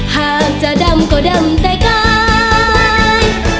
ฮักจะด่ำก็เดมตายกาย